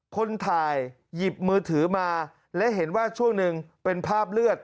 คนถ่ายหยิบมือถือมาและเห็นว่าช่วงหนึ่งเป็นภาพเลือด